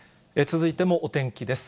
続いてもお天気です。